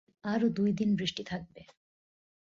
আরও দুই দিন বৃষ্টি থাকবে।